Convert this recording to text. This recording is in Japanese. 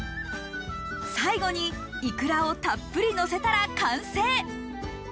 最後にイクラをたっぷりのせたら完成。